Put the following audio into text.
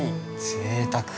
◆ぜいたく。